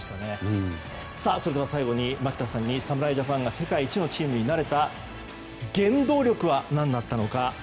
最後に牧田さんに侍ジャパンが世界一のチームになれた原動力は何だったのか。